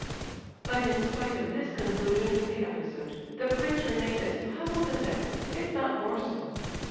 But in spite of this conclusion to the episode, the prince remained as puzzled as ever, if not more so.